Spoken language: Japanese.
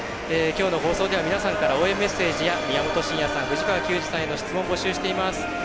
きょうの放送では皆さんから応援メッセージや宮本さん、藤川球児さんへのメッセージを募集しています。